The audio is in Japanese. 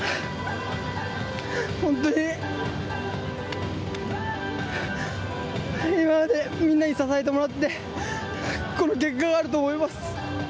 本当に今までみんなに支えてもらってこの結果があると思います。